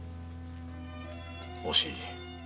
惜しい。